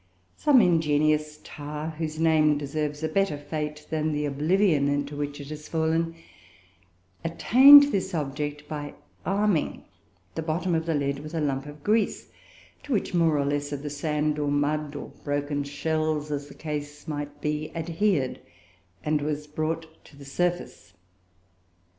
Some ingenious tar, whose name deserves a better fate than the oblivion into which it has fallen, attained this object by "arming" the bottom of the lead with a lump of grease, to which more or less of the sand or mud, or broken shells, as the case might be, adhered, and was brought to the surface.